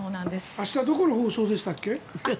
明日どこの放送でしたっけ？